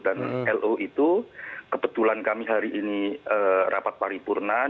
dan lo itu kebetulan kami hari ini rapat paripurna dan ditindaklanjuti